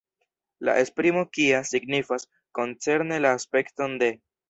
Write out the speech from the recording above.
La esprimo “kia” signifas "koncerne la aspekton de".